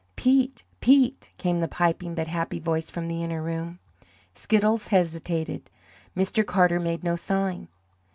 "Pete! Pete!" came the piping but happy voice from the inner room. Skiddles hesitated. Mr. Carter made no sign.